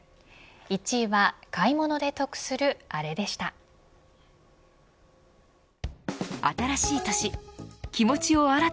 １位は買い物で得するあれでした。